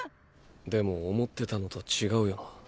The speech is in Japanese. でも思ってたのと違うよな。